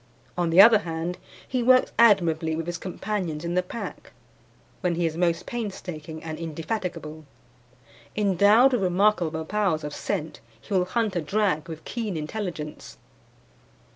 On the other hand, he works admirably with his companions in the pack, when he is most painstaking and indefatigable. Endowed with remarkable powers of scent, he will hunt a drag with keen intelligence.